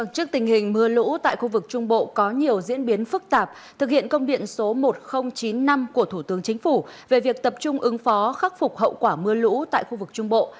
trước tình hình mưa lũ tại khu vực trung bộ có nhiều diễn biến phức tạp thực hiện công điện số một nghìn chín mươi năm của thủ tướng chính phủ về việc tập trung ứng phó khắc phục hậu quả mưa lũ tại khu vực trung bộ